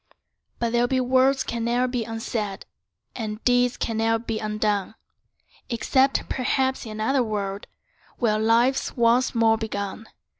But there be words can ne'er be unsaid, And deeds can ne'er be undone, Except perhaps in another world, Where life's once more begun.